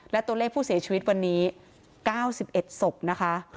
และตัวเลขผู้เสียชีวิตวันนี้๙๑ศพนะคะ